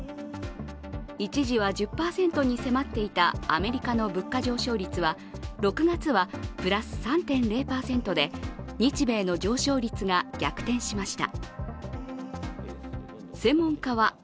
一時は１０％に迫っていたアメリカの物価上昇率は６月はプラス３．０％で日米の上昇率が逆転しました。